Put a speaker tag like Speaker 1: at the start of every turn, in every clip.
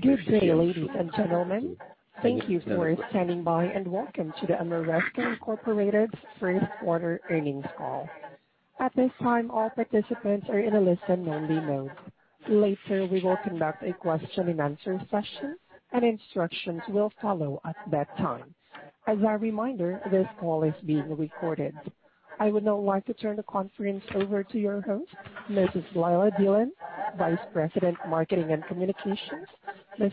Speaker 1: Good day, ladies and gentlemen. Thank you for standing by, and welcome to the Ameresco, Inc. first quarter earnings call. At this time, all participants are in a listen-only mode. Later, we will conduct a question and answer session, and instructions will follow at that time. As a reminder, this call is being recorded. I would now like to turn the conference over to your host, Mrs. Leila Dillon, Vice President, Marketing and Communications. Ms.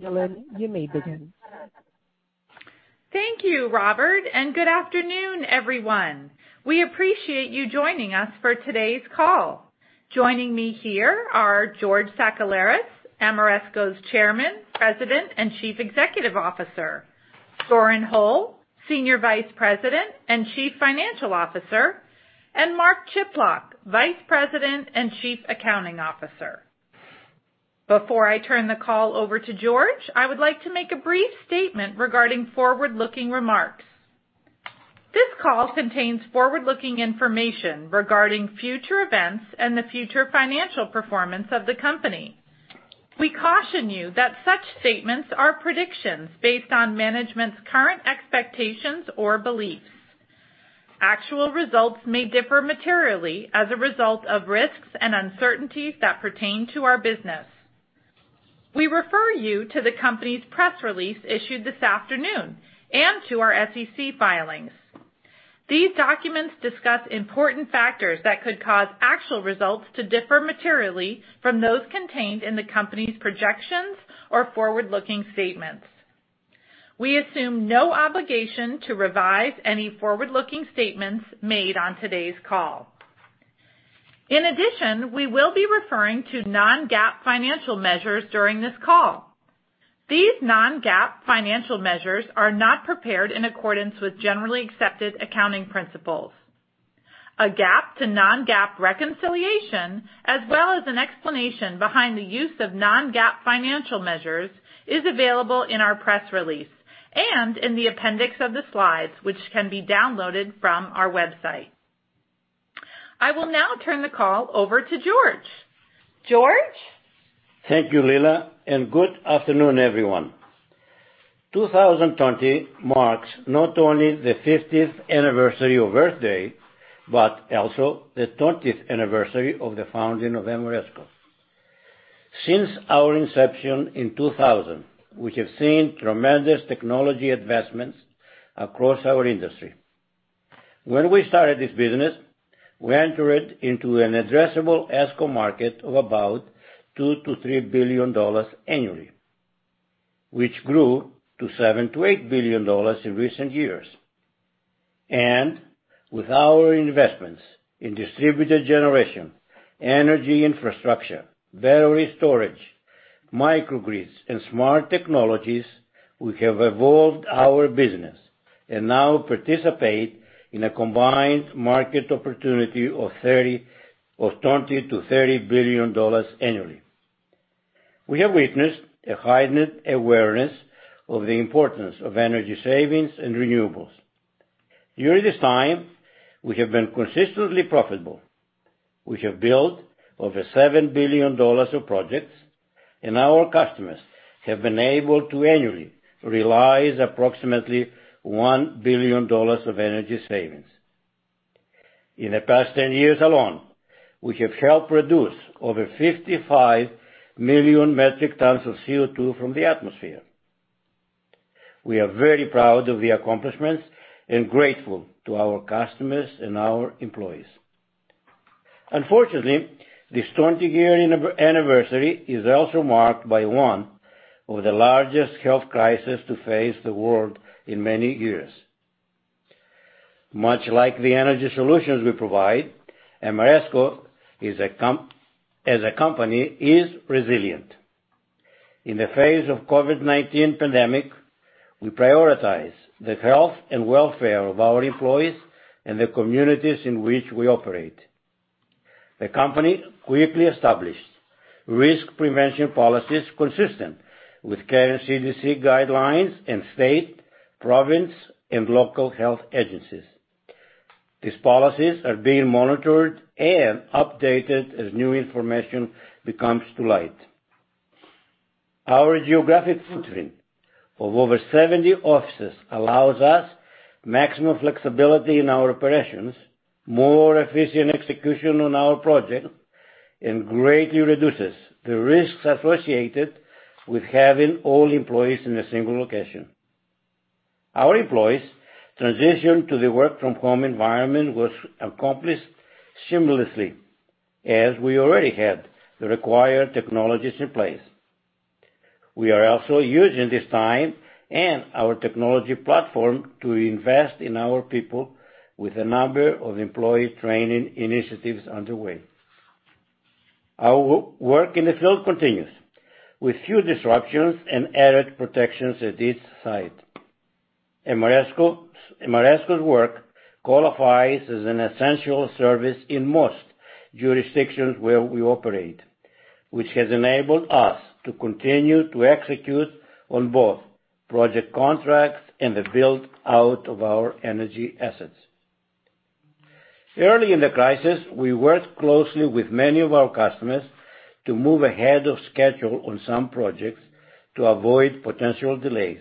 Speaker 1: Dillon, you may begin.
Speaker 2: Thank you, Robert, and good afternoon, everyone. We appreciate you joining us for today's call. Joining me here are George Sakellaris, Ameresco's Chairman, President, and Chief Executive Officer, Doran Hole, Senior Vice President and Chief Financial Officer, and Mark Chiplock, Vice President and Chief Accounting Officer. Before I turn the call over to George, I would like to make a brief statement regarding forward-looking remarks. This call contains forward-looking information regarding future events and the future financial performance of the company. We caution you that such statements are predictions based on management's current expectations or beliefs. Actual results may differ materially as a result of risks and uncertainties that pertain to our business. We refer you to the company's press release issued this afternoon and to our SEC filings. These documents discuss important factors that could cause actual results to differ materially from those contained in the company's projections or forward-looking statements. We assume no obligation to revise any forward-looking statements made on today's call. In addition, we will be referring to non-GAAP financial measures during this call. These non-GAAP financial measures are not prepared in accordance with generally accepted accounting principles. A GAAP to non-GAAP reconciliation, as well as an explanation behind the use of non-GAAP financial measures, is available in our press release and in the appendix of the slides, which can be downloaded from our website. I will now turn the call over to George. George?
Speaker 3: Thank you, Leila. Good afternoon, everyone. 2020 marks not only the 50th anniversary of Earth Day, but also the 20th anniversary of the founding of Ameresco. Since our inception in 2000, we have seen tremendous technology advancements across our industry. When we started this business, we entered into an addressable ESCO market of about $2 billion-$3 billion annually, which grew to $7 billion-$8 billion in recent years. With our investments in distributed generation, energy infrastructure, battery storage, microgrids, and smart technologies, we have evolved our business and now participate in a combined market opportunity of $20 billion-$30 billion annually. We have witnessed a heightened awareness of the importance of energy savings and renewables. During this time, we have been consistently profitable. We have built over $7 billion of projects, and our customers have been able to annually realize approximately $1 billion of energy savings. In the past 10 years alone, we have helped reduce over 55 million metric tons of CO2 from the atmosphere. We are very proud of the accomplishments and grateful to our customers and our employees. Unfortunately, this 20-year anniversary is also marked by one of the largest health crises to face the world in many years. Much like the energy solutions we provide, Ameresco as a company is resilient. In the face of COVID-19 pandemic, we prioritize the health and welfare of our employees and the communities in which we operate. The company quickly established risk prevention policies consistent with current CDC guidelines and state, province, and local health agencies. These policies are being monitored and updated as new information comes to light. Our geographic footprint of over 70 offices allows us maximum flexibility in our operations, more efficient execution on our projects, and greatly reduces the risks associated with having all employees in a single location. Our employees' transition to the work-from-home environment was accomplished seamlessly, as we already had the required technologies in place. We are also using this time and our technology platform to invest in our people with a number of employee training initiatives underway. Our work in the field continues with few disruptions and added protections at each site. Ameresco's work qualifies as an essential service in most jurisdictions where we operate, which has enabled us to continue to execute on both project contracts and the build-out of our energy assets. Early in the crisis, we worked closely with many of our customers to move ahead of schedule on some projects to avoid potential delays.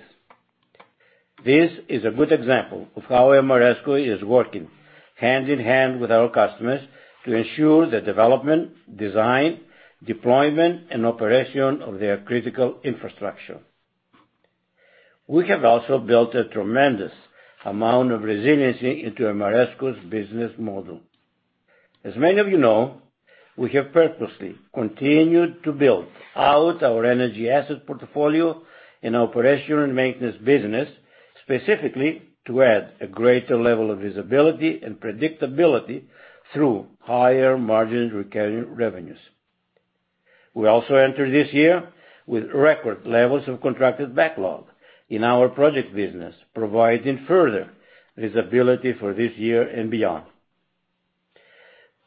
Speaker 3: This is a good example of how Ameresco is working hand-in-hand with our customers to ensure the development, design, deployment, and operation of their critical infrastructure. We have also built a tremendous amount of resiliency into Ameresco's business model. As many of you know, we have purposely continued to build out our energy asset portfolio and operation and maintenance business, specifically to add a greater level of visibility and predictability through higher margin recurring revenues. We also enter this year with record levels of contracted backlog in our project business, providing further visibility for this year and beyond.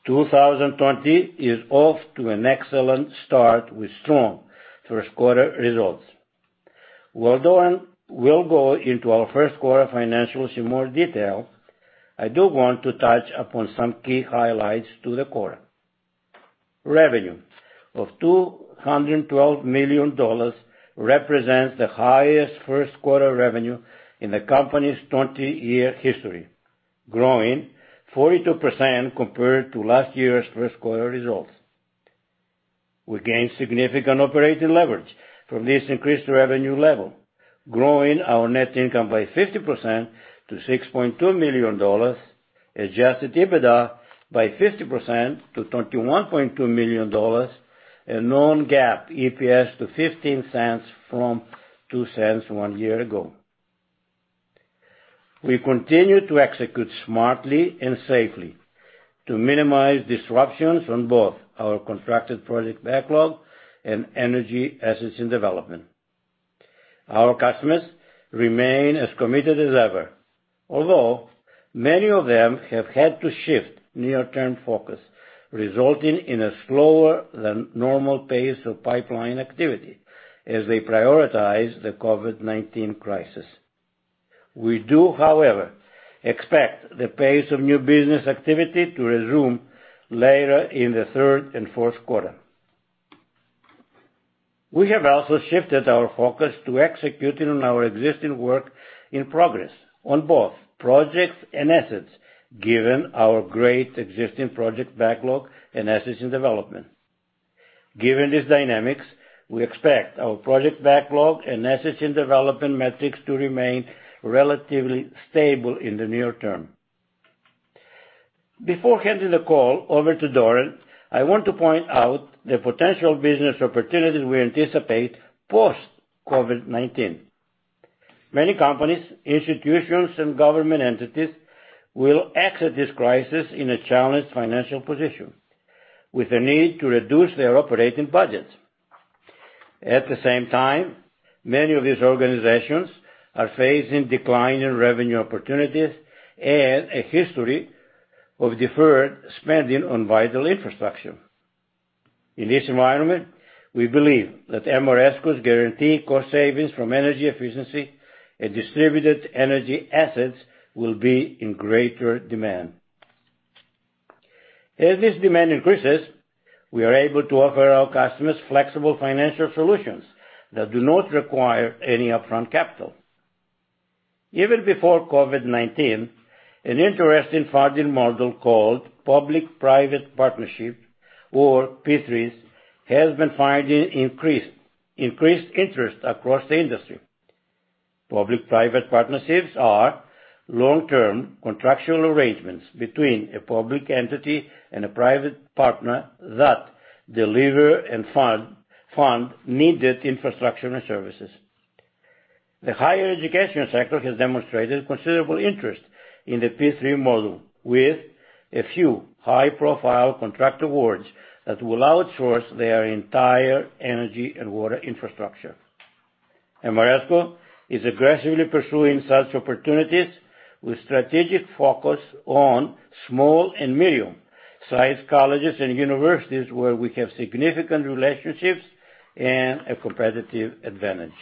Speaker 3: 2020 is off to an excellent start with strong first quarter results. While Doran will go into our first quarter financials in more detail, I do want to touch upon some key highlights to the quarter. Revenue of $212 million represents the highest first-quarter revenue in the company's 20-year history, growing 42% compared to last year's first quarter results. We gained significant operating leverage from this increased revenue level, growing our net income by 50% to $6.2 million, Adjusted EBITDA by 50% to $21.2 million, and non-GAAP EPS to $0.15 from $0.02 one year ago. We continue to execute smartly and safely to minimize disruptions on both our contracted project backlog and energy assets in development. Our customers remain as committed as ever. Although, many of them have had to shift near-term focus, resulting in a slower than normal pace of pipeline activity as they prioritize the COVID-19 crisis. We do, however, expect the pace of new business activity to resume later in the third and fourth quarter. We have also shifted our focus to executing on our existing work in progress on both projects and assets, given our great existing project backlog and assets in development. Given these dynamics, we expect our project backlog and assets in development metrics to remain relatively stable in the near term. Before handing the call over to Doran, I want to point out the potential business opportunities we anticipate post-COVID-19. Many companies, institutions, and government entities will exit this crisis in a challenged financial position with a need to reduce their operating budgets. At the same time, many of these organizations are facing decline in revenue opportunities and a history of deferred spending on vital infrastructure. In this environment, we believe that Ameresco's guaranteed cost savings from energy efficiency and distributed energy assets will be in greater demand. As this demand increases, we are able to offer our customers flexible financial solutions that do not require any upfront capital. Even before COVID-19, an interesting funding model called Public-Private Partnership, or P3s, has been finding increased interest across the industry. Public-Private Partnerships are long-term contractual arrangements between a public entity and a private partner that deliver and fund needed infrastructure and services. The higher education sector has demonstrated considerable interest in the P3 model with a few high-profile contract awards that will outsource their entire energy and water infrastructure. Ameresco is aggressively pursuing such opportunities with strategic focus on small and medium-sized colleges and universities where we have significant relationships and a competitive advantage.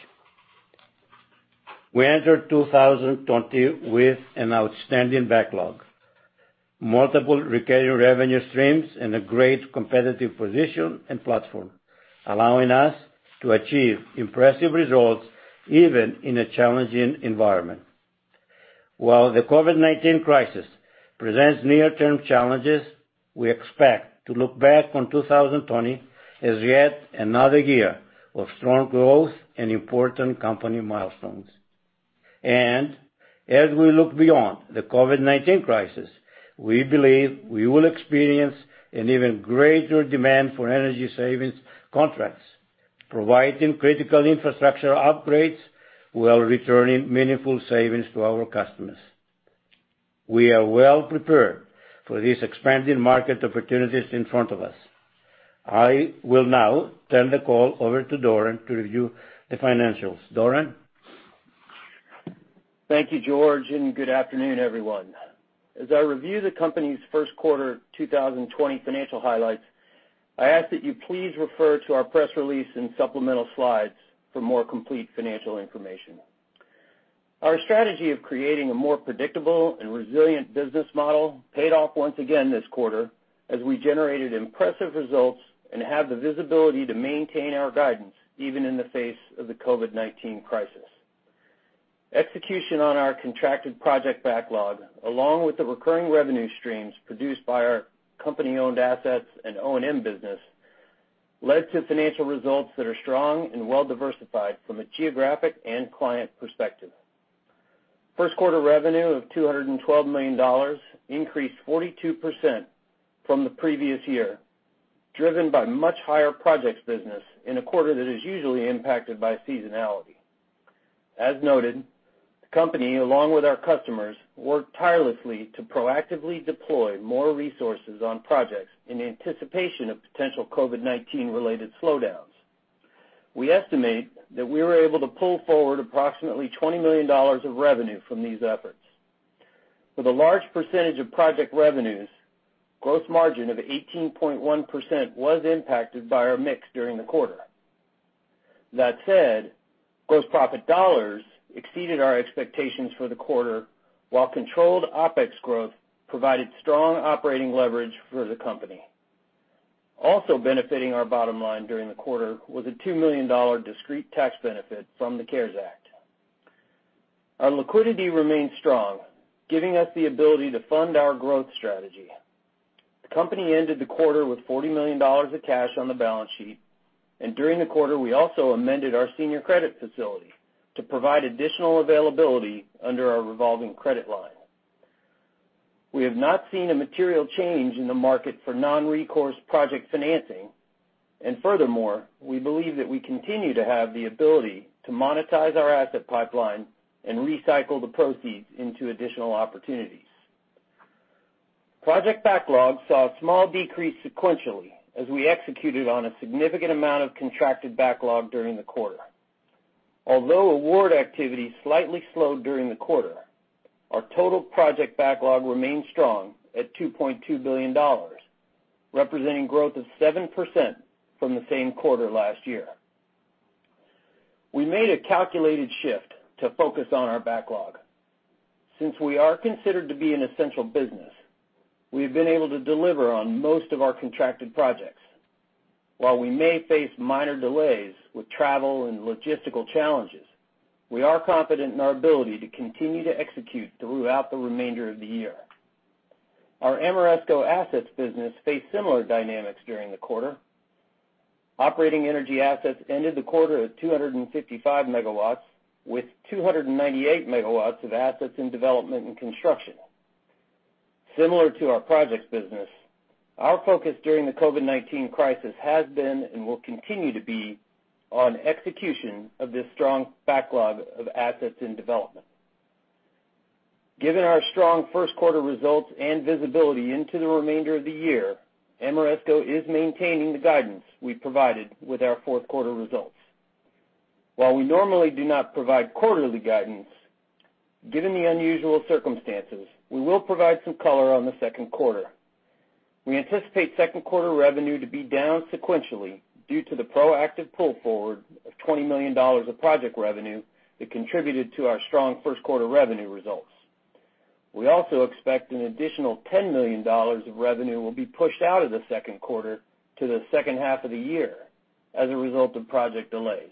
Speaker 3: We entered 2020 with an outstanding backlog, multiple recurring revenue streams, and a great competitive position and platform, allowing us to achieve impressive results even in a challenging environment. While the COVID-19 crisis presents near-term challenges, we expect to look back on 2020 as yet another year of strong growth and important company milestones. As we look beyond the COVID-19 crisis, we believe we will experience an even greater demand for energy savings contracts, providing critical infrastructure upgrades while returning meaningful savings to our customers. We are well prepared for these expanding market opportunities in front of us. I will now turn the call over to Doran to review the financials. Doran?
Speaker 4: Thank you, George, and good afternoon, everyone. As I review the company's first quarter 2020 financial highlights, I ask that you please refer to our press release and supplemental slides for more complete financial information. Our strategy of creating a more predictable and resilient business model paid off once again this quarter as we generated impressive results and have the visibility to maintain our guidance even in the face of the COVID-19 crisis. Execution on our contracted project backlog, along with the recurring revenue streams produced by our company-owned assets and O&M business, led to financial results that are strong and well-diversified from a geographic and client perspective. First quarter revenue of $212 million increased 42% from the previous year, driven by much higher projects business in a quarter that is usually impacted by seasonality. As noted, the company, along with our customers, worked tirelessly to proactively deploy more resources on projects in anticipation of potential COVID-19 related slowdowns. We estimate that we were able to pull forward approximately $20 million of revenue from these efforts. With a large percentage of project revenues, gross margin of 18.1% was impacted by our mix during the quarter. That said, gross profit dollars exceeded our expectations for the quarter, while controlled OPEX growth provided strong operating leverage for the company. Also benefiting our bottom line during the quarter was a $2 million discrete tax benefit from the CARES Act. Our liquidity remains strong, giving us the ability to fund our growth strategy. The company ended the quarter with $40 million of cash on the balance sheet, and during the quarter, we also amended our senior credit facility to provide additional availability under our revolving credit line. We have not seen a material change in the market for non-recourse project financing. Furthermore, we believe that we continue to have the ability to monetize our asset pipeline and recycle the proceeds into additional opportunities. Project backlog saw a small decrease sequentially as we executed on a significant amount of contracted backlog during the quarter. Although award activity slightly slowed during the quarter, our total project backlog remains strong at $2.2 billion, representing growth of 7% from the same quarter last year. We made a calculated shift to focus on our backlog. Since we are considered to be an essential business, we've been able to deliver on most of our contracted projects. While we may face minor delays with travel and logistical challenges, we are confident in our ability to continue to execute throughout the remainder of the year. Our Ameresco assets business faced similar dynamics during the quarter. Operating energy assets ended the quarter at 255 MW, with 298 MW of assets in development and construction. Similar to our projects business, our focus during the COVID-19 crisis has been and will continue to be on execution of this strong backlog of assets in development. Given our strong first quarter results and visibility into the remainder of the year, Ameresco is maintaining the guidance we provided with our fourth quarter results. While we normally do not provide quarterly guidance, given the unusual circumstances, we will provide some color on the second quarter. We anticipate second quarter revenue to be down sequentially due to the proactive pull forward of $20 million of project revenue that contributed to our strong first quarter revenue results. We also expect an additional $10 million of revenue will be pushed out of the second quarter to the second half of the year as a result of project delays.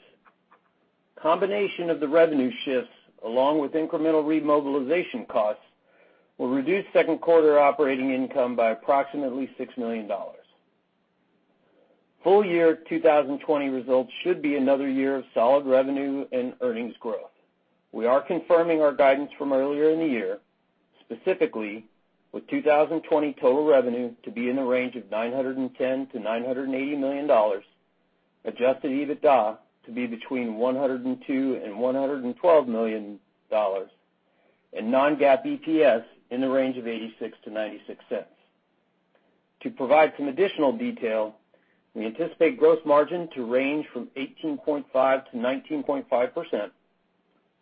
Speaker 4: Combination of the revenue shifts, along with incremental remobilization costs, will reduce second quarter operating income by approximately $6 million. Full year 2020 results should be another year of solid revenue and earnings growth. We are confirming our guidance from earlier in the year, specifically with 2020 total revenue to be in the range of $910 million-$980 million, Adjusted EBITDA to be between $102 million-$112 million, and non-GAAP EPS in the range of $0.86-$0.96. To provide some additional detail, we anticipate gross margin to range from 18.5%-19.5%,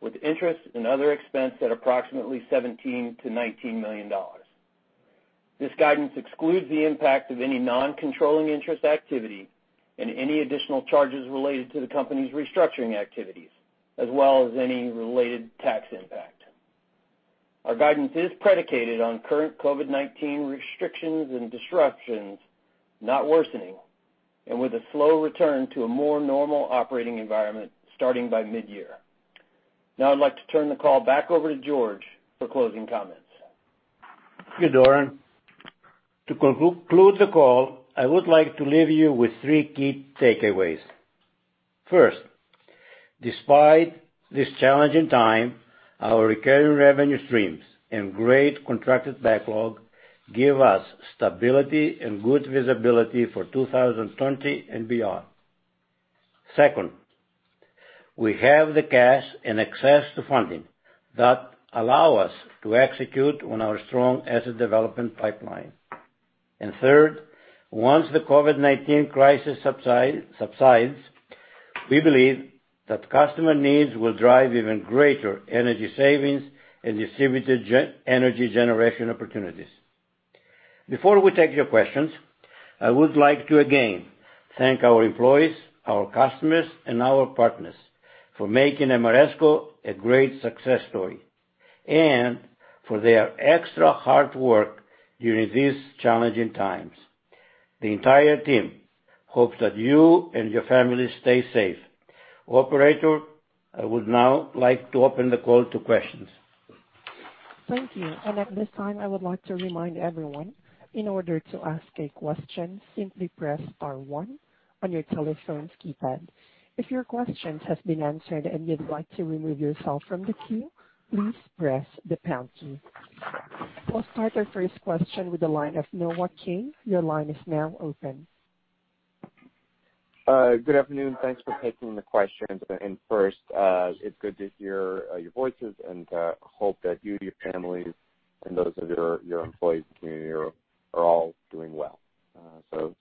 Speaker 4: with interest and other expense at approximately $17 million-$19 million. This guidance excludes the impact of any non-controlling interest activity and any additional charges related to the company's restructuring activities, as well as any related tax impact. Our guidance is predicated on current COVID-19 restrictions and disruptions not worsening and with a slow return to a more normal operating environment starting by mid-year. Now I'd like to turn the call back over to George for closing comments.
Speaker 3: Thank you, Doran. To conclude the call, I would like to leave you with three key takeaways. First, despite this challenging time, our recurring revenue streams and great contracted backlog give us stability and good visibility for 2020 and beyond. Second, we have the cash and access to funding that allow us to execute on our strong asset development pipeline. Third, once the COVID-19 crisis subsides, we believe that customer needs will drive even greater energy savings and distributed energy generation opportunities. Before we take your questions, I would like to again thank our employees, our customers, and our partners for making Ameresco a great success story and for their extra hard work during these challenging times. The entire team hopes that you and your families stay safe. Operator, I would now like to open the call to questions.
Speaker 1: Thank you. At this time, I would like to remind everyone, in order to ask a question, simply press star one on your telephone's keypad. If your question has been answered and you'd like to remove yourself from the queue, please press the pound key. We'll start the first question with the line of Noah Kaye. Your line is now open.
Speaker 5: Good afternoon. Thanks for taking the questions. First, it's good to hear your voices, and hope that you, your families, and those of your employees and community are all doing well. Let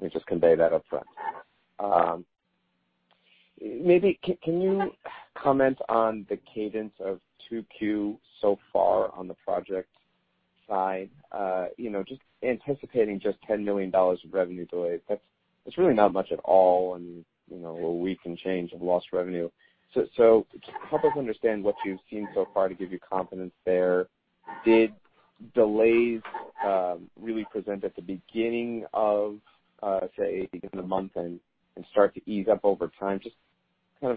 Speaker 5: me just convey that upfront. Maybe can you comment on the cadence of 2Q so far on the project side? Just anticipating just $10 million of revenue delay. That's really not much at all and a week and change of lost revenue. Help us understand what you've seen so far to give you confidence there. Did delays really present at the beginning of, say, beginning of the month and start to ease up over time? Just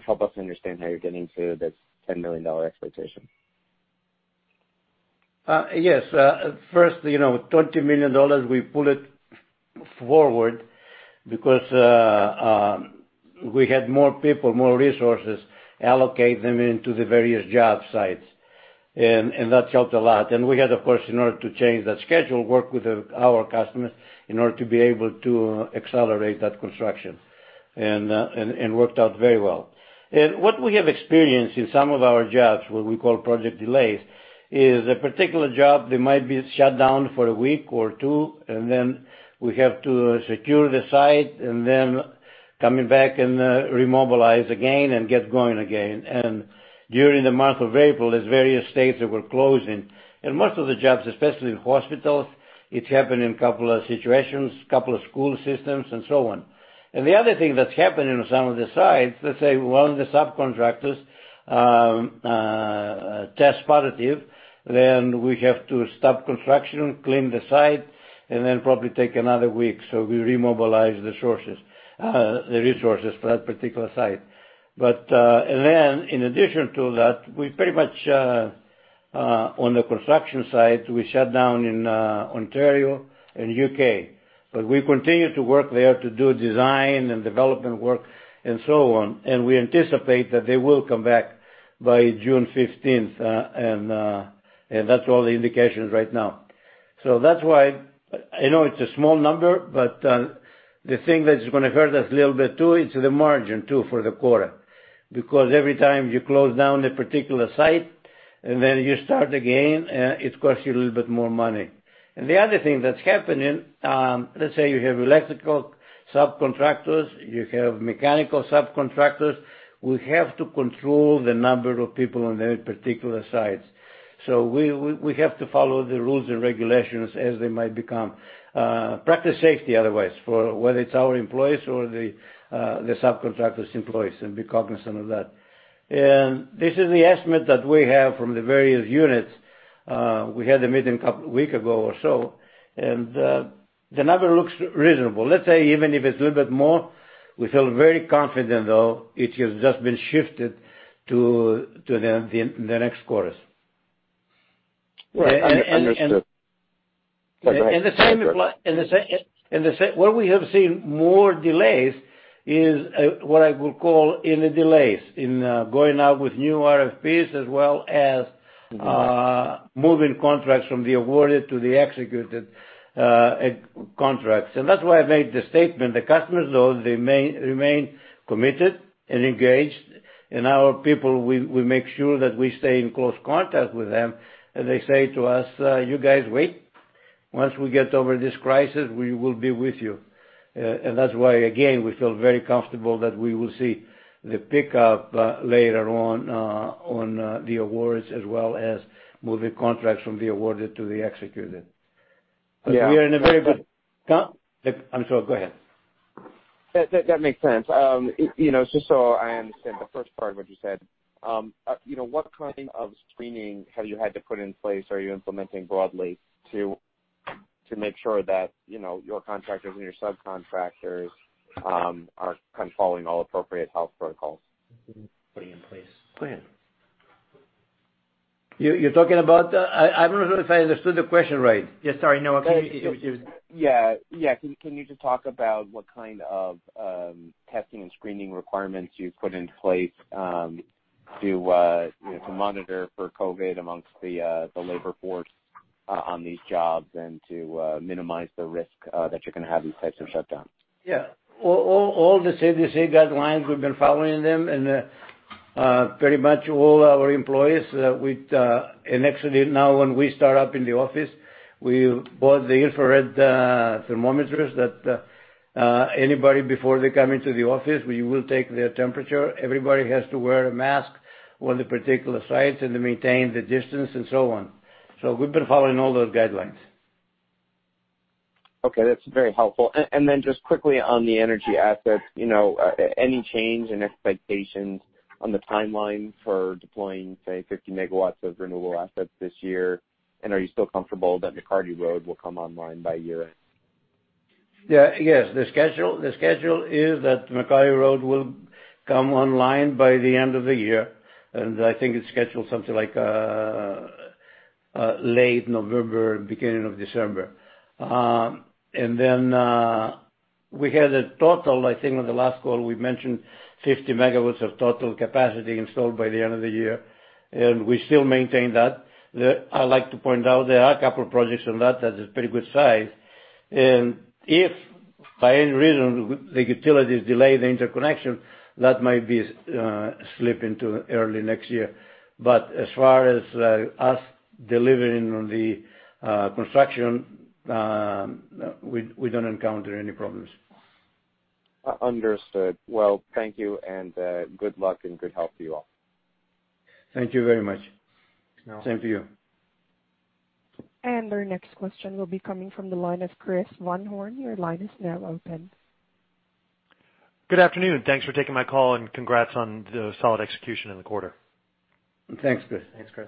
Speaker 5: help us understand how you're getting to this $10 million expectation.
Speaker 3: Yes. $20 million, we pulled it forward because we had more people, more resources, allocate them into the various job sites. That helped a lot. We had, of course, in order to change that schedule, work with our customers in order to be able to accelerate that construction. It worked out very well. What we have experienced in some of our jobs, what we call project delays, is a particular job, they might be shut down for a week or two, and then we have to secure the site, and then coming back and remobilize again and get going again. During the month of April, there's various states that were closing. Most of the jobs, especially in hospitals, it happened in a couple of situations, couple of school systems, and so on. The other thing that's happened in some of the sites, let's say one of the subcontractors tests positive, then we have to stop construction, clean the site, and then probably take another week. We remobilize the resources for that particular site. In addition to that, we pretty much on the construction sites, we shut down in Ontario and U.K. We continue to work there to do design and development work and so on. We anticipate that they will come back by June 15th. That's all the indications right now. That's why I know it's a small number, but the thing that is going to hurt us a little bit, too, is the margin, too, for the quarter. Because every time you close down a particular site and then you start again, it costs you a little bit more money. The other thing that's happening, let's say you have electrical subcontractors, you have mechanical subcontractors. We have to control the number of people on their particular sites. We have to follow the rules and regulations as they might become. Practice safety otherwise, for whether it's our employees or the subcontractor's employees, and be cognizant of that. This is the estimate that we have from the various units. We had a meeting a week ago or so. The number looks reasonable. Let's say even if it's a little bit more, we feel very confident, though, it has just been shifted to the next quarters.
Speaker 5: Right. Understood.
Speaker 3: Where we have seen more delays is what I would call in going out with new RFPs as well as moving contracts from the awarded to the executed contracts. That's why I made the statement. The customers, though, they remain committed and engaged. Our people, we make sure that we stay in close contact with them. They say to us, "You guys wait. Once we get over this crisis, we will be with you." That's why, again, we feel very comfortable that we will see the pickup later on the awards as well as moving contracts from the awarded to the executed.
Speaker 5: Yeah.
Speaker 3: We are in a very good I'm sorry. Go ahead.
Speaker 5: That makes sense. Just so I understand the first part of what you said. What kind of screening have you had to put in place? Are you implementing broadly to make sure that your contractors and your subcontractors are following all appropriate health protocols?
Speaker 6: Putting in place.
Speaker 3: You're talking about I don't know if I understood the question right.
Speaker 6: Yeah. Sorry, Noah. Can you-
Speaker 5: Yeah. Can you just talk about what kind of testing and screening requirements you've put in place to monitor for COVID amongst the labor force on these jobs and to minimize the risk that you're going to have these types of shutdowns?
Speaker 3: Yeah. All the CDC guidelines, we've been following them. Pretty much all our employees, and actually now when we start up in the office, we bought the infrared thermometers that anybody, before they come into the office, we will take their temperature. Everybody has to wear a mask on the particular sites and to maintain the distance and so on. We've been following all those guidelines.
Speaker 5: Okay, that's very helpful. Just quickly on the energy assets, any change in expectations on the timeline for deploying, say, 50 MW of renewable assets this year? Are you still comfortable that McCarty Road will come online by year-end?
Speaker 3: Yeah. Yes. The schedule is that McCarty Road will come online by the end of the year, and I think it's scheduled something like late November, beginning of December. Then, we had a total, I think on the last call, we mentioned 50 MW of total capacity installed by the end of the year, and we still maintain that. I'd like to point out there are a couple of projects on that that is pretty good size. If by any reason the utilities delay the interconnection, that might be slip into early next year. As far as us delivering on the construction, we don't encounter any problems.
Speaker 5: Understood. Well, thank you. Good luck and good health to you all.
Speaker 3: Thank you very much.
Speaker 6: Same.
Speaker 3: Same to you.
Speaker 1: Our next question will be coming from the line of Chris Van Horn. Your line is now open.
Speaker 7: Good afternoon. Thanks for taking my call. Congrats on the solid execution in the quarter.
Speaker 3: Thanks, Chris.
Speaker 6: Thanks, Chris.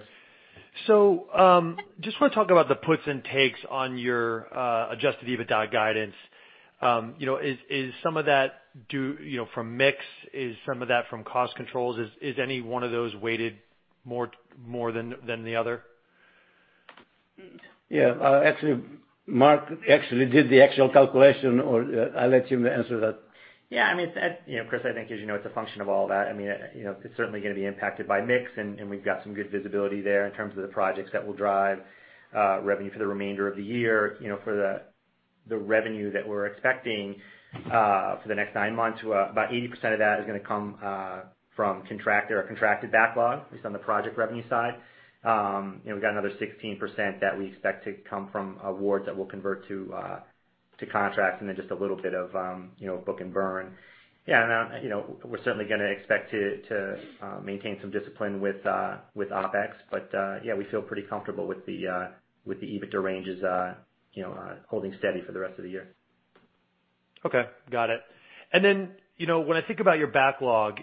Speaker 7: Just want to talk about the puts and takes on your Adjusted EBITDA guidance. Is some of that from mix? Is some of that from cost controls? Is any one of those weighted more than the other?
Speaker 3: Yeah. Mark actually did the actual calculation or I'll let him answer that.
Speaker 6: Yeah. Chris, I think as you know, it's a function of all that. It's certainly going to be impacted by mix, and we've got some good visibility there in terms of the projects that will drive revenue for the remainder of the year. For the revenue that we're expecting for the next nine months, about 80% of that is going to come from contractor or contracted backlog, at least on the project revenue side. We've got another 16% that we expect to come from awards that will convert to contracts, and then just a little bit of book and burn. Yeah. We're certainly going to expect to maintain some discipline with OPEX. Yeah, we feel pretty comfortable with the EBITDA ranges holding steady for the rest of the year.
Speaker 7: Okay. Got it. When I think about your backlog,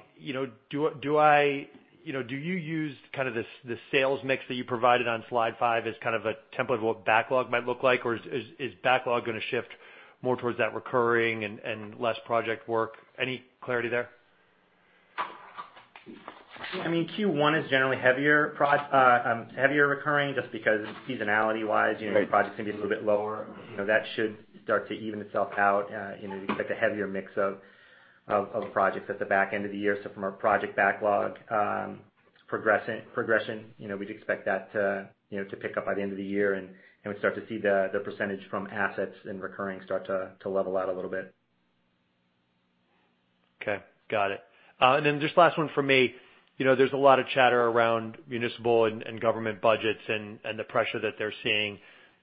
Speaker 7: do you use this sales mix that you provided on slide five as kind of a template of what backlog might look like? Is backlog going to shift more towards that recurring and less project work? Any clarity there?
Speaker 6: Q1 is generally heavier recurring just because seasonality-wise, the projects can be a little bit lower. That should start to even itself out. We expect a heavier mix of projects at the back end of the year. From our project backlog progression, we'd expect that to pick up by the end of the year, and we start to see the percentage from assets and recurring start to level out a little bit.
Speaker 7: Okay. Got it. This last one from me. There's a lot of chatter around municipal and government budgets and the pressure that they're seeing.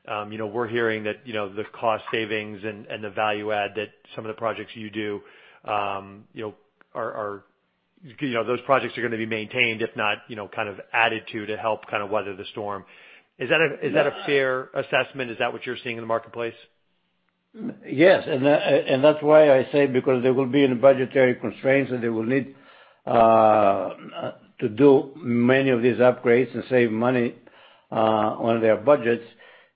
Speaker 7: We're hearing that the cost savings and the value add that some of the projects you do, those projects are going to be maintained, if not, kind of added to help weather the storm. Is that a fair assessment? Is that what you're seeing in the marketplace?
Speaker 3: Yes, that's why I say because they will be in budgetary constraints, and they will need to do many of these upgrades and save money on their budgets.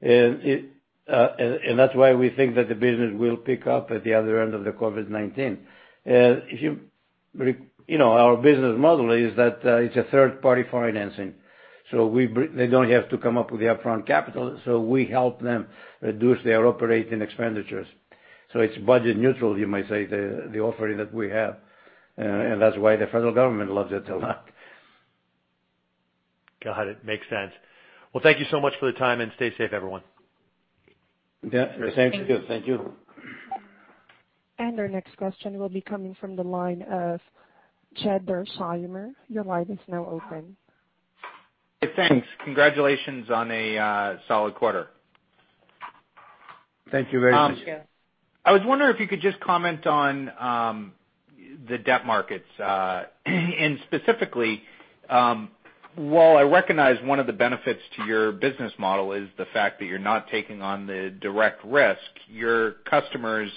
Speaker 3: That's why we think that the business will pick up at the other end of the COVID-19. Our business model is that it's a third-party financing. They don't have to come up with the upfront capital. We help them reduce their operating expenditures. It's budget neutral, you might say, the offering that we have. That's why the federal government loves it a lot.
Speaker 7: Got it. Makes sense. Well, thank you so much for the time, and stay safe, everyone.
Speaker 3: Yeah. Thanks.
Speaker 6: Thank you.
Speaker 1: Our next question will be coming from the line of Jed Dorsheimer. Your line is now open.
Speaker 8: Hey, thanks. Congratulations on a solid quarter.
Speaker 3: Thank you very much.
Speaker 6: Thank you.
Speaker 8: I was wondering if you could just comment on the debt markets. Specifically, while I recognize one of the benefits to your business model is the fact that you're not taking on the direct risk, your customers,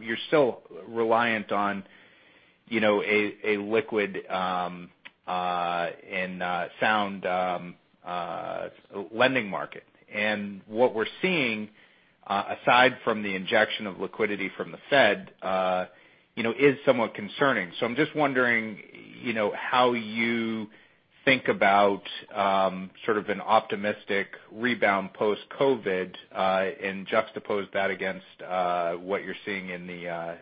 Speaker 8: you're still reliant on a liquid and sound lending market. What we're seeing, aside from the injection of liquidity from the Fed, is somewhat concerning. I'm just wondering how you think about sort of an optimistic rebound post-COVID, and juxtapose that against what you're seeing in the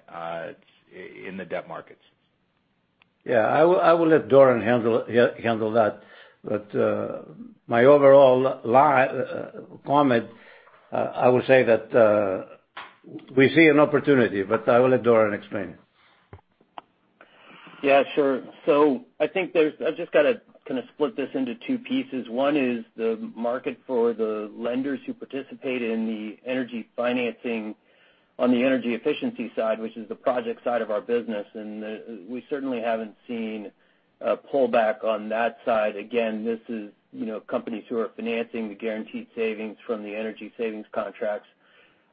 Speaker 8: debt markets.
Speaker 3: Yeah, I will let Doran handle that. My overall comment, I would say that we see an opportunity, but I will let Doran explain it.
Speaker 4: Yeah, sure. I think I've just got to kind of split this into two pieces. One is the market for the lenders who participate in the energy financing. On the energy efficiency side, which is the project side of our business, and we certainly haven't seen a pullback on that side. Again, this is companies who are financing the guaranteed savings from the energy savings contracts.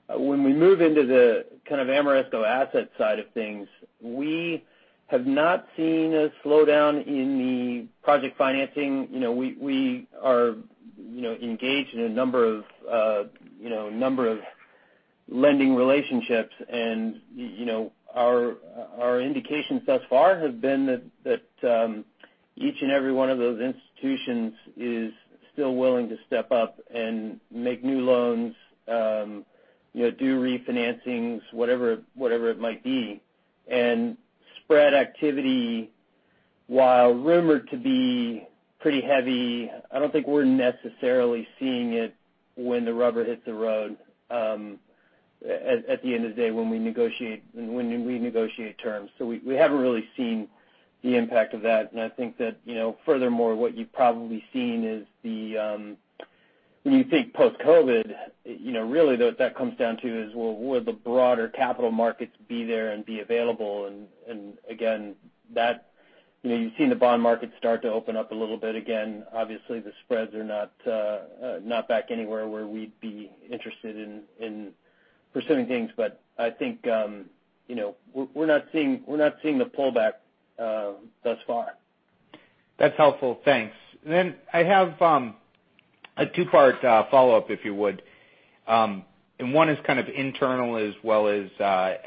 Speaker 4: When we move into the kind of Ameresco asset side of things, we have not seen a slowdown in the project financing. We are engaged in a number of lending relationships, and our indications thus far have been that each and every one of those institutions is still willing to step up and make new loans, do refinancings, whatever it might be. Spread activity, while rumored to be pretty heavy, I don't think we're necessarily seeing it when the rubber hits the road at the end of the day when we negotiate terms. We haven't really seen the impact of that. I think that furthermore, what you've probably seen is when you think post-COVID, really what that comes down to is, well, will the broader capital markets be there and be available? Again, you've seen the bond market start to open up a little bit again. Obviously, the spreads are not back anywhere where we'd be interested in pursuing things. I think we're not seeing the pullback thus far.
Speaker 8: That's helpful. Thanks. I have a two-part follow-up, if you would. One is kind of internal as well as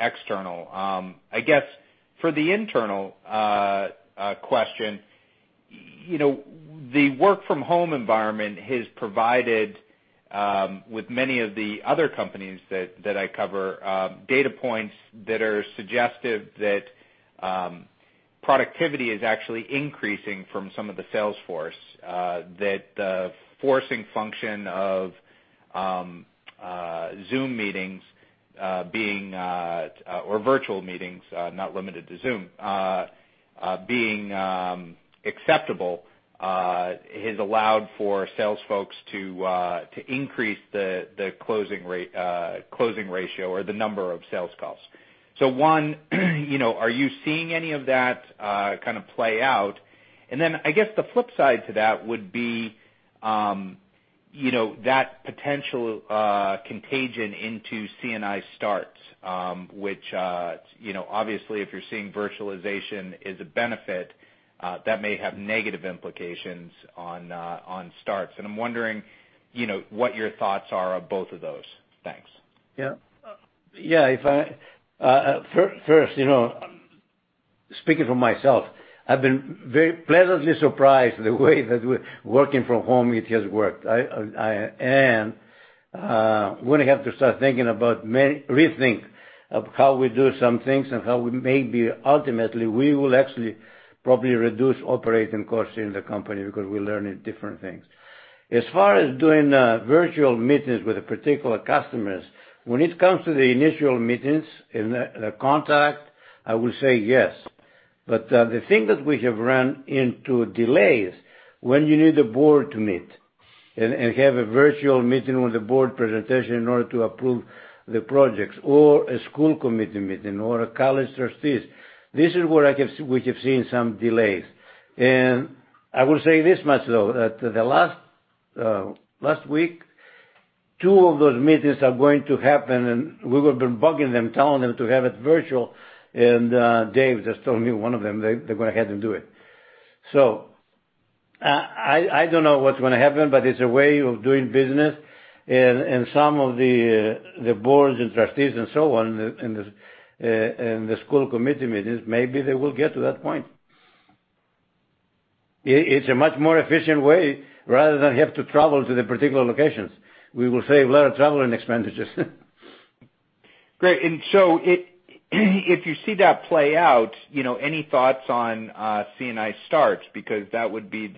Speaker 8: external. I guess for the internal question, the work from home environment has provided, with many of the other companies that I cover, data points that are suggestive that productivity is actually increasing from some of the sales force. That the forcing function of Zoom meetings or virtual meetings, not limited to Zoom, being acceptable has allowed for sales folks to increase the closing ratio or the number of sales calls. One, are you seeing any of that kind of play out? I guess the flip side to that would be that potential contagion into C&I starts, which, obviously if you're seeing virtualization as a benefit, that may have negative implications on starts. I'm wondering what your thoughts are on both of those. Thanks.
Speaker 3: Yeah. First, speaking for myself, I've been very pleasantly surprised the way that working from home, it has worked. We're going to have to rethink of how we do some things and how we maybe ultimately we will actually probably reduce operating costs in the company because we're learning different things. As far as doing virtual meetings with particular customers, when it comes to the initial meetings and the contact, I will say yes. The thing that we have run into delays, when you need the board to meet and have a virtual meeting with the board presentation in order to approve the projects, or a school committee meeting, or a college trustees. This is where we have seen some delays. I will say this much, though, that the last week, two of those meetings are going to happen, and we have been bugging them, telling them to have it virtual. Dave just told me one of them, they're going ahead and do it. I don't know what's going to happen, but it's a way of doing business. Some of the boards and trustees and so on, and the school committee meetings, maybe they will get to that point. It's a much more efficient way, rather than have to travel to the particular locations. We will save a lot of traveling expenditures.
Speaker 8: Great. If you see that play out, any thoughts on C&I starts? Because that would be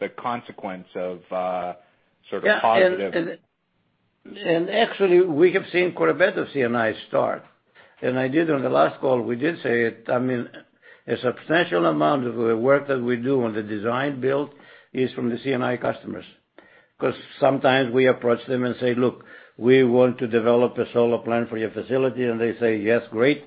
Speaker 8: the consequence of sort of positive.
Speaker 3: Actually, we have seen quite a bit of C&I start. I did on the last call, we did say it. A substantial amount of the work that we do on the design-build is from the C&I customers. Because sometimes we approach them and say, "Look, we want to develop a solar plant for your facility." They say, "Yes, great."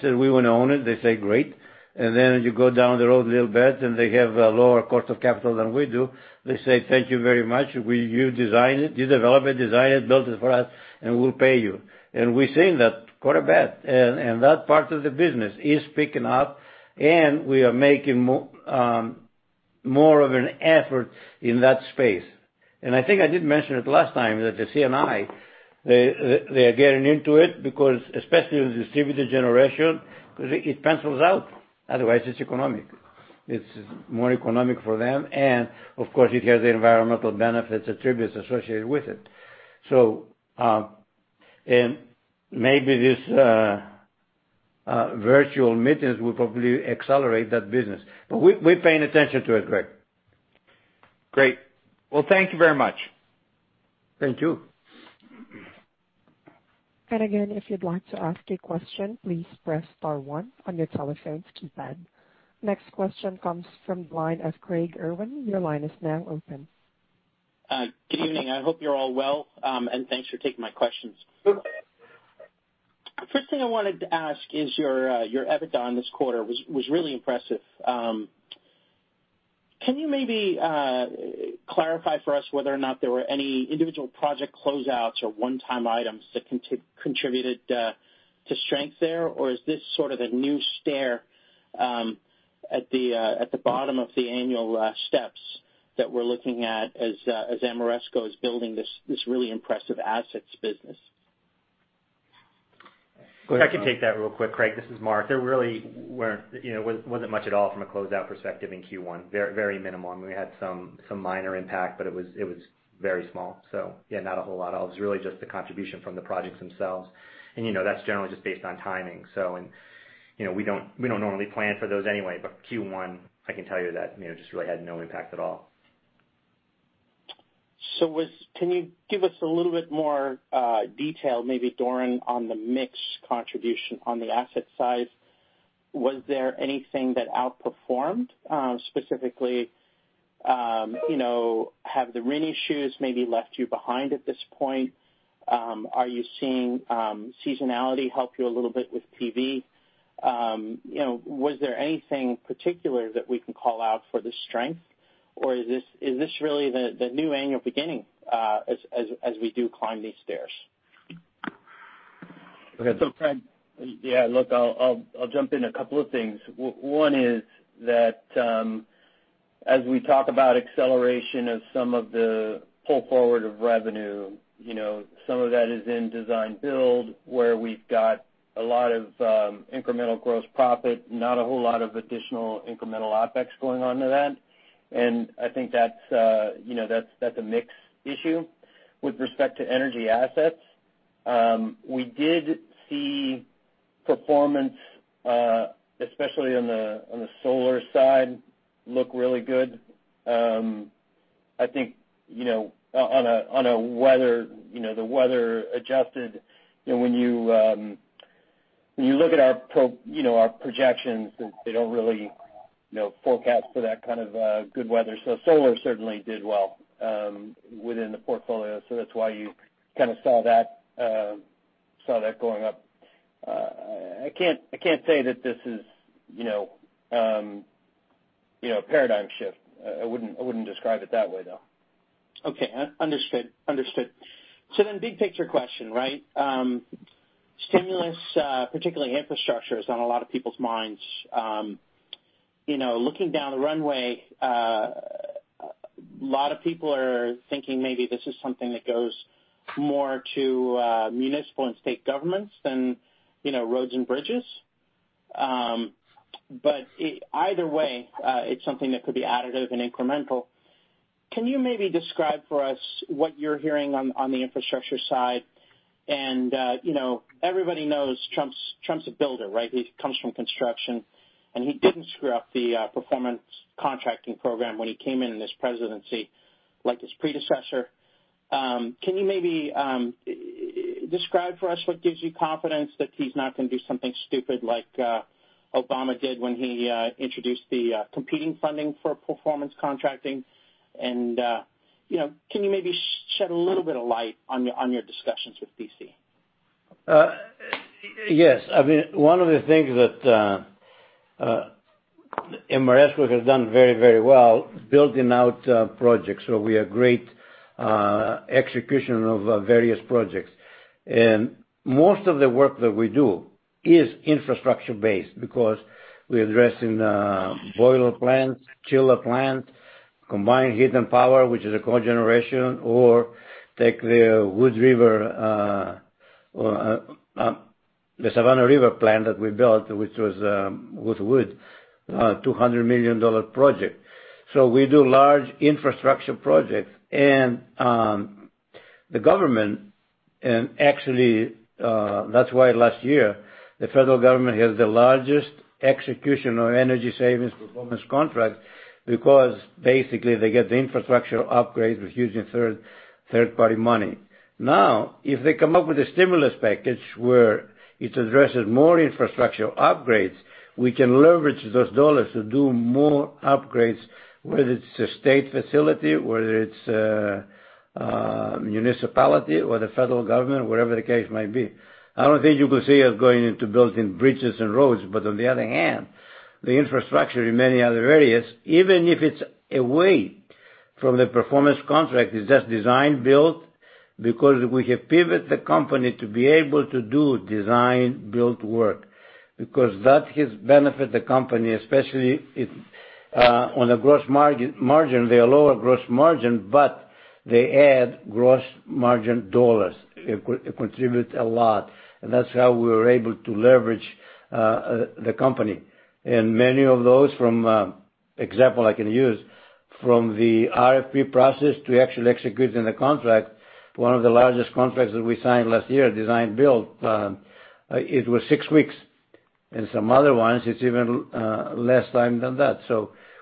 Speaker 3: Say, "We want to own it." They say, "Great." Then you go down the road a little bit and they have a lower cost of capital than we do. They say, "Thank you very much. You develop it, design it, build it for us, and we'll pay you." We're seeing that quite a bit. That part of the business is picking up, and we are making more of an effort in that space. I think I did mention it last time that the C&I, they are getting into it because especially with distributed generation, because it pencils out. Otherwise, it's economic. It's more economic for them. Of course, it has the environmental benefits attributes associated with it. Maybe these virtual meetings will probably accelerate that business. We're paying attention to it, Jed.
Speaker 8: Great. Well, thank you very much.
Speaker 3: Thank you.
Speaker 1: Again, if you'd like to ask a question, please press star one on your telephone's keypad. Next question comes from the line of Craig Irwin. Your line is now open.
Speaker 9: Good evening. I hope you're all well, and thanks for taking my questions.
Speaker 3: Okay.
Speaker 9: First thing I wanted to ask is your EBITDA in this quarter was really impressive. Can you maybe clarify for us whether or not there were any individual project closeouts or one-time items that contributed to strength there? Is this sort of a new stair at the bottom of the annual steps that we're looking at as Ameresco is building this really impressive assets business?
Speaker 3: Go ahead, Mark.
Speaker 6: I can take that real quick, Craig. This is Mark. There really wasn't much at all from a closeout perspective in Q1. Very minimal. I mean, we had some minor impact, but it was very small. Yeah, not a whole lot. It was really just the contribution from the projects themselves, and that's generally just based on timing. We don't normally plan for those anyway, but Q1, I can tell you that, just really had no impact at all.
Speaker 9: Can you give us a little bit more detail, maybe, Doran, on the mix contribution on the asset side? Was there anything that outperformed? Specifically, have the RNG issues maybe left you behind at this point? Are you seeing seasonality help you a little bit with P3? Was there anything particular that we can call out for the strength, or is this really the new annual beginning as we do climb these stairs?
Speaker 3: Go ahead.
Speaker 4: Craig, yeah, look, I'll jump in a couple of things. One is that as we talk about acceleration of some of the pull forward of revenue, some of that is in design-build, where we've got a lot of incremental gross profit, not a whole lot of additional incremental OPEX going on to that. I think that's a mix issue. With respect to energy assets, we did see performance, especially on the solar side, look really good. I think on the weather-adjusted, when you look at our projections, they don't really forecast for that kind of good weather. Solar certainly did well within the portfolio. That's why you kind of saw that going up. I can't say that this is a paradigm shift. I wouldn't describe it that way, though.
Speaker 9: Okay. Understood. Big picture question, right? Stimulus, particularly infrastructure, is on a lot of people's minds. Looking down the runway, a lot of people are thinking maybe this is something that goes more to municipal and state governments than roads and bridges. Either way, it's something that could be additive and incremental. Can you maybe describe for us what you're hearing on the infrastructure side? Everybody knows Trump's a builder, right? He comes from construction, and he didn't screw up the performance contracting program when he came in in his presidency, like his predecessor. Can you maybe describe for us what gives you confidence that he's not going to do something stupid like Obama did when he introduced the competing funding for performance contracting? Can you maybe shed a little bit of light on your discussions with P3?
Speaker 3: Yes. I mean, one of the things that Ameresco has done very well is building out projects, so we have great execution of various projects. Most of the work that we do is infrastructure-based because we're addressing boiler plant, chiller plant, combined heat and power, which is a cogeneration, or take the Savannah River plant that we built, which was with wood, a $200 million project. We do large infrastructure projects. The government, and actually, that's why last year, the federal government has the largest execution of energy savings performance contract, because basically they get the infrastructure upgrades with using third-party money. Now, if they come up with a stimulus package where it addresses more infrastructure upgrades, we can leverage those dollars to do more upgrades, whether it's a state facility, whether it's a municipality or the federal government, whatever the case may be. I don't think you will see us going into building bridges and roads. On the other hand, the infrastructure in many other areas, even if it's away from the performance contract, is just design-build, because we have pivoted the company to be able to do design-build work, because that has benefited the company, especially on the gross margin. They are lower gross margin, but they add gross margin dollars. It contributes a lot. That's how we were able to leverage the company. Many of those from, example I can use, from the RFP process to actually executing the contract, one of the largest contracts that we signed last year, design-build, it was six weeks, and some other ones, it's even less time than that.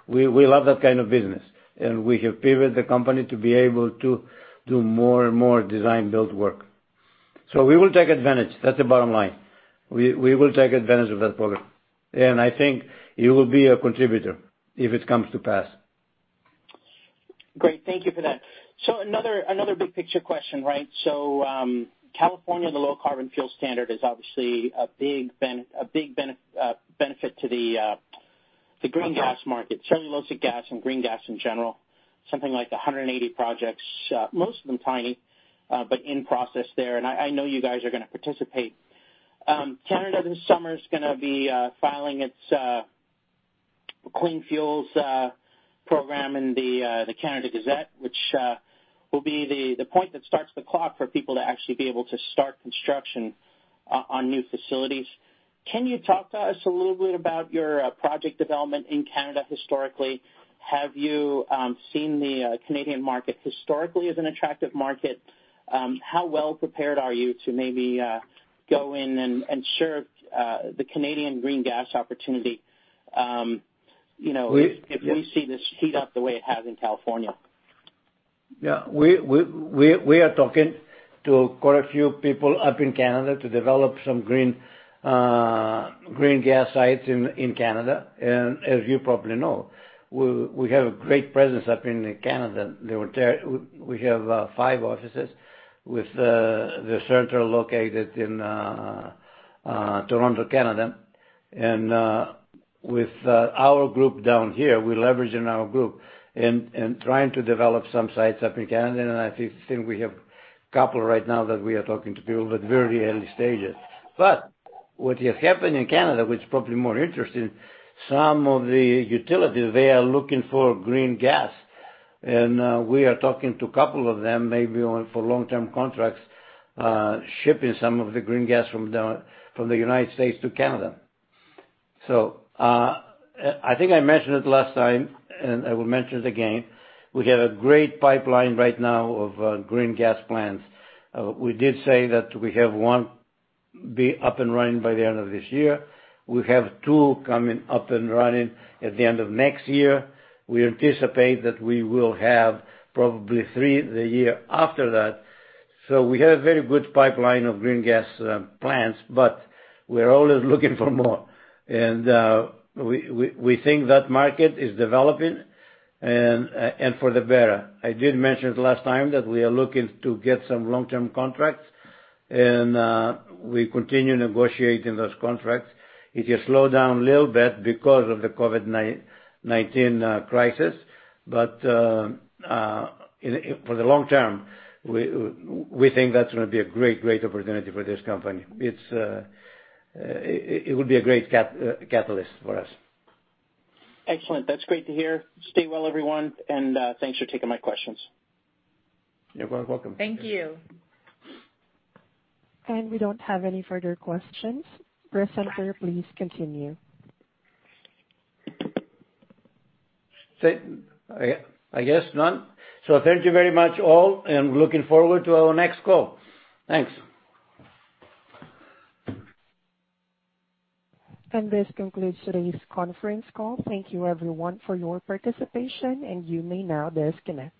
Speaker 3: We love that kind of business, and we have pivoted the company to be able to do more and more design-build work. We will take advantage. That's the bottom line. We will take advantage of that program, and I think it will be a contributor if it comes to pass.
Speaker 9: Great. Thank you for that. Another big-picture question. California, the Low Carbon Fuel Standard is obviously a big benefit to the green gas market.
Speaker 3: Okay.
Speaker 9: Cellulosic gas and green gas in general, something like 180 projects, most of them tiny, but in process there. I know you guys are going to participate. Canada this summer is going to be filing its Clean Fuel Regulations in the Canada Gazette, which will be the point that starts the clock for people to actually be able to start construction on new facilities. Can you talk to us a little bit about your project development in Canada historically? Have you seen the Canadian market historically as an attractive market? How well prepared are you to maybe go in and share the Canadian green gas opportunity?
Speaker 3: Yeah.
Speaker 9: If we see this heat up the way it has in California?
Speaker 3: We are talking to quite a few people up in Canada to develop some green gas sites in Canada. As you probably know, we have a great presence up in Canada. We have five offices with the center located in Toronto, Canada. With our group down here, we are leveraging our group and trying to develop some sites up in Canada. I think we have a couple right now that we are talking to people, but very early stages. What has happened in Canada, which is probably more interesting, some of the utilities, they are looking for green gas. We are talking to a couple of them, maybe for long-term contracts, shipping some of the green gas from the United States to Canada. I think I mentioned it last time, and I will mention it again. We have a great pipeline right now of green gas plants. We did say that we have one be up and running by the end of this year. We have two coming up and running at the end of next year. We anticipate that we will have probably three the year after that. We have a very good pipeline of green gas plants, but we're always looking for more. We think that market is developing and for the better. I did mention it last time that we are looking to get some long-term contracts, and we continue negotiating those contracts. It has slowed down a little bit because of the COVID-19 crisis. For the long term, we think that's going to be a great opportunity for this company. It would be a great catalyst for us.
Speaker 9: Excellent. That's great to hear. Stay well, everyone, and thanks for taking my questions.
Speaker 3: You're very welcome.
Speaker 2: Thank you.
Speaker 1: We don't have any further questions. Presenter, please continue.
Speaker 3: I guess none. Thank you very much all, and looking forward to our next call. Thanks.
Speaker 1: This concludes today's conference call. Thank you everyone for your participation, and you may now disconnect.